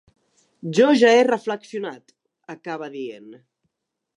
Jo ja he reflexionat, acaba dient.